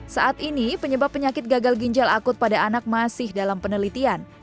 saat ini penyebab penyakit gagal ginjal akut pada anak masih dalam penelitian